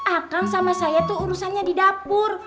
akang sama saya tuh urusannya di dapur